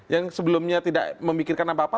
yang sebelumnya tidak memikirkan apa apa